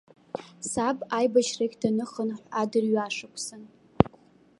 Саб аибашьрахьтә даныхынҳә адырҩашықәсан.